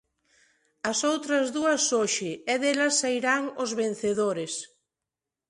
As outras dúas hoxe, e delas sairán os vencedores.